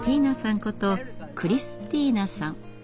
ことクリスティーナさん。